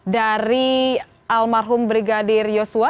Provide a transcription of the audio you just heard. dari almarhum brigadir joshua